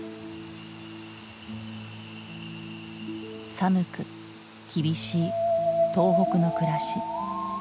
寒く厳しい東北の暮らし。